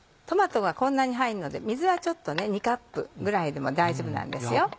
トマトがこんなに入るので水はちょっとね２カップぐらいでも大丈夫なんですよ。